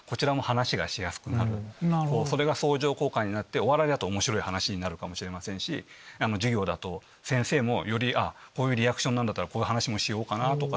お笑いだと面白い話になるかもしれませんし授業だと先生もよりこういうリアクションならこういう話もしようかなとか。